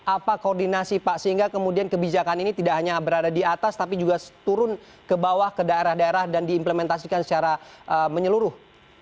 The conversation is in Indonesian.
apa koordinasi pak sehingga kemudian kebijakan ini tidak hanya berada di atas tapi juga turun ke bawah ke daerah daerah dan diimplementasikan secara menyeluruh